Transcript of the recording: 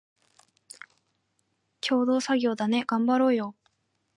共同作業だね、がんばろーよ